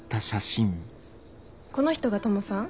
この人がトモさん？